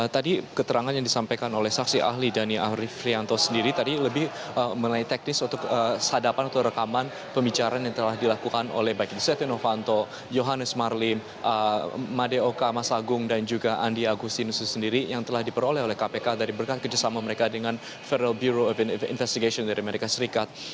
tadi keterangan yang disampaikan oleh saksi ahli dhani ahri frianto sendiri tadi lebih mengenai teknis untuk sadapan atau rekaman pembicaraan yang telah dilakukan oleh baik setia novanto yohannes marlim madeoka masagung dan juga andi agustinus sendiri yang telah diperoleh oleh kpk dari berkat kerjasama mereka dengan federal bureau of investigation dari amerika serikat